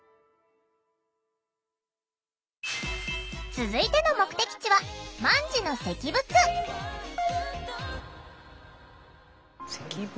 続いての目的地は万治の石仏。